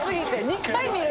２回見る？